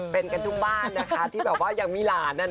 เป็นกันทุกบ้านนะคะที่แบบว่ายังมีหลาน